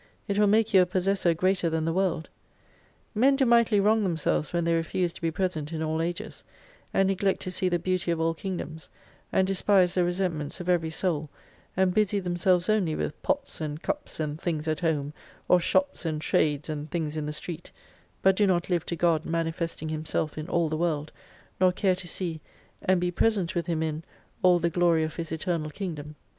It will make you a possessor greater than the world. Men do mightily wrong themselves when they refuse to be present in all ages : and neglect to see the beauty of all kingdoms, and despise the resentments of every soul, and busy themselves only vnth pots and cups and things at home, or shops and trades and things in the street : but do not live to God manifesting Himself in all the world, nor care to see (and be present with Him in) all the glory of His Eternal Kingdom.